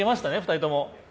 ２人とも。